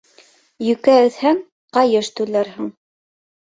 Йүкә өҙһәң, ҡайыш түләрһең.